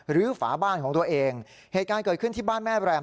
ฝาบ้านของตัวเองเหตุการณ์เกิดขึ้นที่บ้านแม่แรม